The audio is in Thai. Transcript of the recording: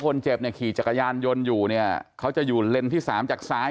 คนเจ็บเนี่ยขี่จักรยานยนต์อยู่เนี่ยเขาจะอยู่เลนส์ที่สามจากซ้าย